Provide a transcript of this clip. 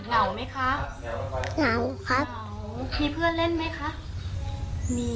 เหงาไหมคะเหงาครับมีเพื่อนเล่นไหมคะมี